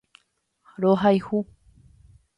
Rohayhu.